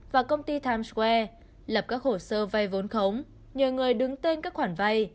và công ty times square lập các hồ sơ vay vốn khống nhờ người đứng tên các khoản vay